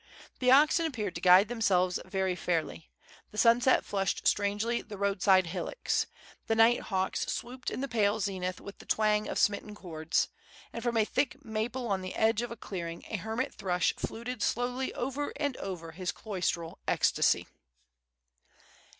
The oxen appeared to guide themselves very fairly. The sunset flushed strangely the roadside hillocks. The nighthawks swooped in the pale zenith with the twang of smitten chords. And from a thick maple on the edge of a clearing a hermit thrush fluted slowly over and over his cloistral ecstasy.